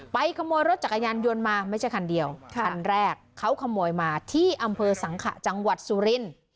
ขโมยรถจักรยานยนต์มาไม่ใช่คันเดียวคันแรกเขาขโมยมาที่อำเภอสังขะจังหวัดสุรินทร์